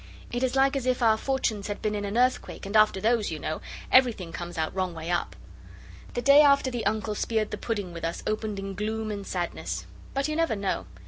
It is like as if our fortunes had been in an earthquake, and after those, you know, everything comes out wrong way up. The day after the Uncle speared the pudding with us opened in gloom and sadness. But you never know.